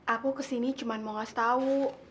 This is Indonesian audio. aku kesini cuma mau ngasih tau